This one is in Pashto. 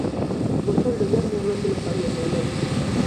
بوتل د ګرمو ورځو لپاره یو نعمت دی.